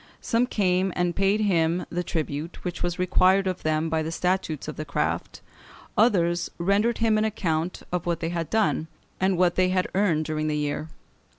Some came and paid him the tribute which was required of them by the statutes of the craft; others rendered him an account of what they had done, and what they had earned during the year.